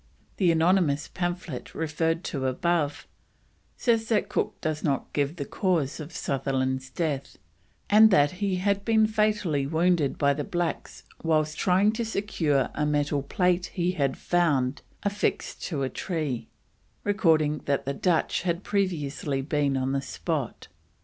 The anonymous pamphlet referred to above, says that Cook does not give the cause of Sutherland's death, and that he had been fatally wounded by the blacks whilst trying to secure a metal plate he had found affixed to a tree, recording that the Dutch had previously been on the spot.